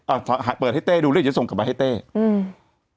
อ่าหากเปิดให้เต้ดูเรื่องจะส่งกลับมาให้เต้อืม